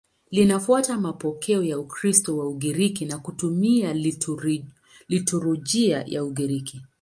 Linafuata mapokeo ya Ukristo wa Ugiriki na kutumia liturujia ya Ugiriki.